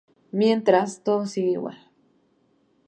Mientras, todo sigue igual...